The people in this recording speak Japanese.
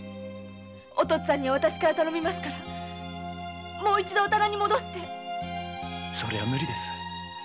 お父っつぁんには私から頼みますからもう一度戻ってそれは無理です。